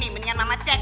nih percaya sama ini nih